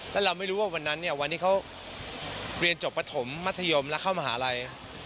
แล้วเราไม่รู้ว่าวันนั้นเนี่ยวันที่เขาเรียนจบปฐมมัธยมแล้วเข้ามหาลัย